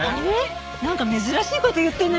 なんか珍しい事言ってない？